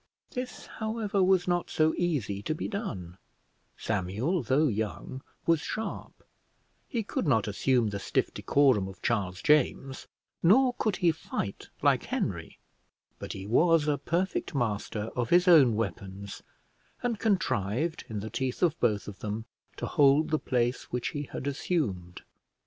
This, however, was not so easy to be done; Samuel, though young, was sharp; he could not assume the stiff decorum of Charles James, nor could he fight like Henry; but he was a perfect master of his own weapons, and contrived, in the teeth of both of them, to hold the place which he had assumed.